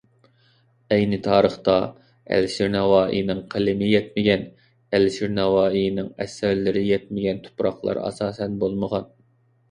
ئەينى تارىختا ئەلىشىر نەۋائىينىڭ قەلىمى يەتمىگەن، ئەلىشىر نەۋائىينىڭ ئەسەرلىرى يەتمىگەن تۇپراقلار ئاساسەن بولمىغان.